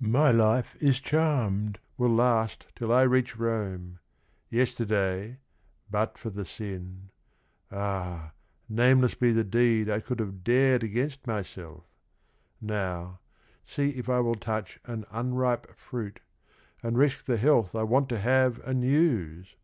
My life is charmed, will last till I reach Rome 1 Yesterday, but for the sin, — ah, nameless be The deed I could have dared against myself 1 Now — see if I will touch an unripe fruit, And risk the health I want to have and use